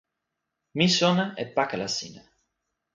mi sona e pakala sina.